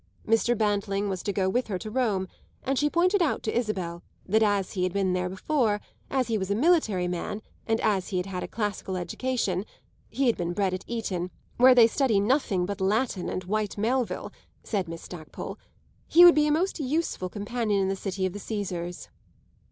Mr. Bantling was to go with her to Rome, and she pointed out to Isabel that as he had been there before, as he was a military man and as he had had a classical education he had been bred at Eton, where they study nothing but Latin and Whyte Melville, said Miss Stackpole he would be a most useful companion in the city of the Caesars.